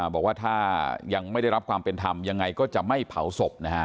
บอกว่าถ้ายังไม่ได้รับความเป็นธรรมยังไงก็จะไม่เผาศพนะฮะ